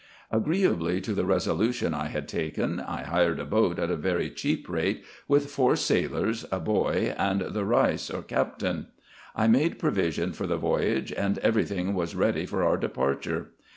Agreeably to the resolution I had taken, I hired a boat at a very cheap rate, with four sailors, a boy, and the Beis, or captain. I made provision for the voyage, and every thing was ready for our de parture.